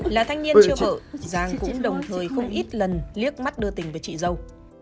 là thanh niên chưa vợ giang cũng đồng thời không ít lần liếc mắt đưa tình với chị dâu